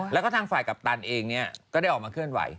แล้วก็ทางฝ่ายกัปตันเองก็ได้ออกมาเคลื่อนไหว